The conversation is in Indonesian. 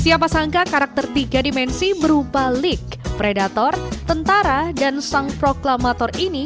siapa sangka karakter tiga dimensi berupa lik predator tentara dan sang proklamator ini